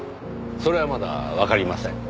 それはまだわかりません。